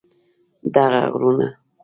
دغه غرونه